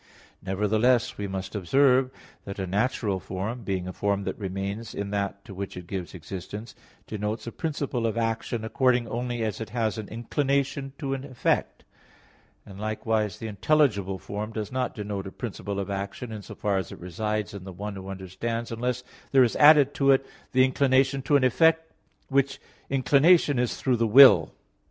Nevertheless, we must observe that a natural form, being a form that remains in that to which it gives existence, denotes a principle of action according only as it has an inclination to an effect; and likewise, the intelligible form does not denote a principle of action in so far as it resides in the one who understands unless there is added to it the inclination to an effect, which inclination is through the will.